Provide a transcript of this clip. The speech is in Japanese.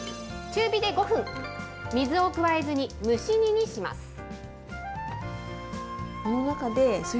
中火で５分、水を加えずに蒸し煮にします。